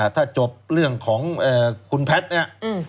ถ้าจบเรื่องของคุณแพทย์เนี่ย